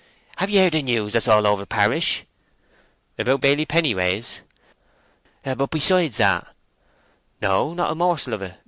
"Have ye heard the news that's all over parish?" "About Baily Pennyways?" "But besides that?" "No—not a morsel of it!"